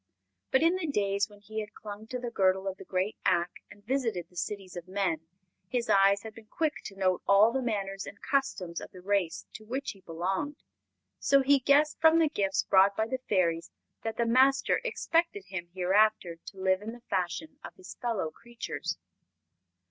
But, in the days when he had clung to the girdle of the great Ak and visited the cities of men, his eyes had been quick to note all the manners and customs of the race to which he belonged; so he guessed from the gifts brought by the Fairies that the Master expected him hereafter to live in the fashion of his fellow creatures.